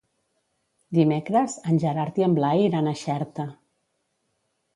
Dimecres en Gerard i en Blai iran a Xerta.